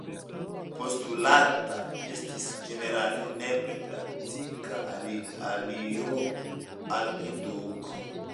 Postulata estis ĝenerale nepra praktika aliro al eduko.